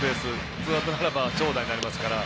ツーアウトなら長打になりますから。